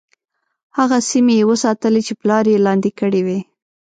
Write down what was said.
هغه سیمي یې وساتلې چې پلار یې لاندي کړې وې.